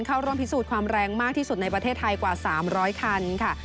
เข้าร่วมพิสูจน์ความแรงมากที่สุดในประเทศไทยกว่า๓๐๐คันค่ะ